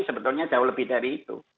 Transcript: sebetulnya jauh lebih dari itu